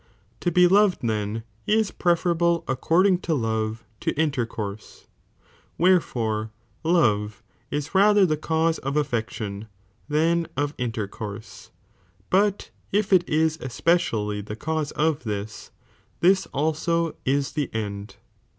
To be loved then is preferable ' iccording to love to interconrse, wherefore love is rather the use of affection than of intercourse, but if it is especially rhed«itB i^^^ cause) of this, this also ia the end.